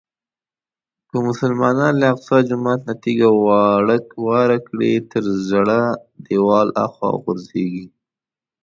که مسلمانان له اقصی جومات نه تیږه واره کړي تر ژړا دیوال هاخوا غورځېږي.